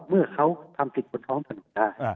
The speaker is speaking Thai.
เมื่อเขาทำผิดผลของพนักงาน